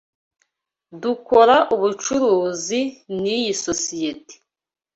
Dukora ubucuruzi niyi sosiyete.